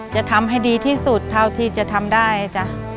จะทำให้ดีที่สุดเท่าที่จะทำได้จ้ะ